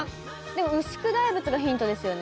でも牛久大仏がヒントですよね。